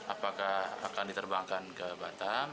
apakah akan diterbangkan ke batam